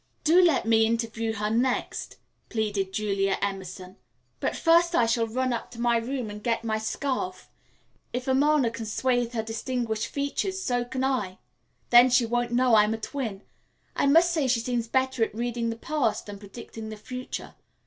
"Do let me interview her next," pleaded Julia Emerson. "But first I shall run up to my room and get my scarf. If Amarna can swathe her distinguished features, so can I. Then she won't know I'm a twin. I must say she seems better at reading the past than predicting the future.